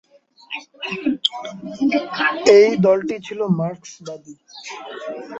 এই দলটি ছিল মার্ক্সবাদী।